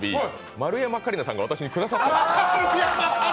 丸山桂里奈さんが私にくださった。